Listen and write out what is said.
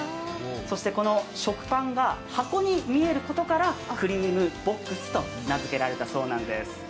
そして食パンが箱に見えることからクリームボックスと名付けられたそうなんです。